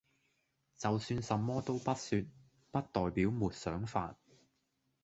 就算什麼都不說，不代表沒想法